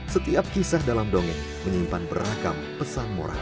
setiap kisah dalam dongeng menyimpan beragam pesan moral